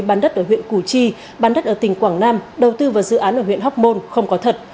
bán đất ở huyện củ chi bán đất ở tỉnh quảng nam đầu tư vào dự án ở huyện hóc môn không có thật